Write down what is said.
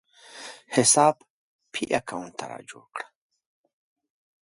حساب پې اکاونټ راته جوړ کړه